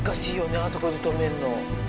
あそこで止めるの。